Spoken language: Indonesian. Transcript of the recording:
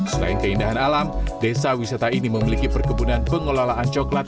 selain keindahan alam desa wisata ini memiliki perkebunan pengelolaan coklat